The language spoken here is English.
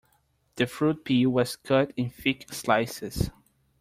The fruit peel was cut in thick slices.